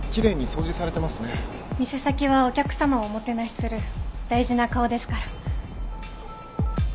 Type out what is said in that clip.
店先はお客さまをおもてなしする大事な顔ですから。